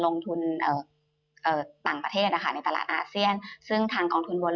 ลงทุนเอ่อต่างประเทศนะคะในตลาดอาเซียนซึ่งทางกองทุนบน